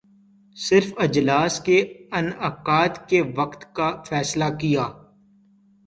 صرف اجلاس کے انعقاد کے وقت کا فیصلہ کیا